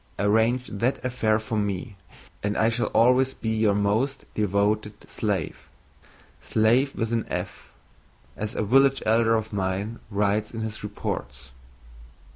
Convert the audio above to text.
"Arrange that affair for me and I shall always be your most devoted slave slafe with an f, as a village elder of mine writes in his reports.